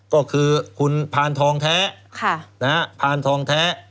ก็คือคุณพานทองแท้พานทองแท้